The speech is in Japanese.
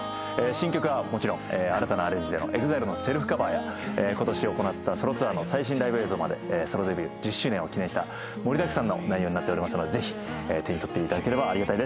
新曲はもちろん新たなアレンジでのＥＸＩＬＥのセルフカバーや今年行ったソロツアーの最新ライブ映像までソロデビュー１０周年を記念した盛りだくさんの内容になっておりますのでぜひ手に取っていただければありがたいです。